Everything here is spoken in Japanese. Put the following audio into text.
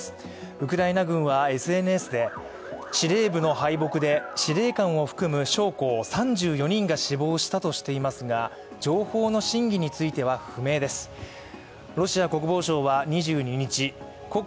ウクライナ軍はＳＮＳで、司令部の敗北で司令官を含む将校３４人が死亡したとしていますが情報の真偽については不明です。え？